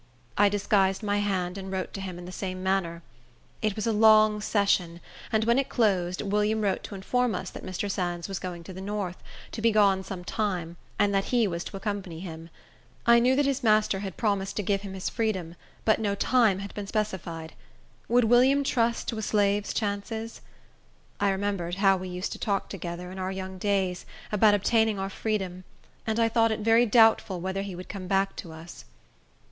I disguised my hand, and wrote to him in the same manner. It was a long session; and when it closed, William wrote to inform us that Mr. Sands was going to the north, to be gone some time, and that he was to accompany him. I knew that his master had promised to give him his freedom, but no time had been specified. Would William trust to a slave's chances? I remembered how we used to talk together, in our young days, about obtaining our freedom, and I thought it very doubtful whether he would come back to us.